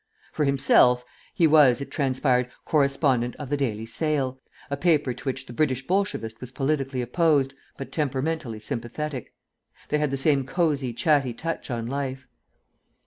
For himself, he was, it transpired, correspondent of the Daily Sale, a paper to which the British Bolshevist was politically opposed but temperamentally sympathetic; they had the same cosy, chatty touch on life.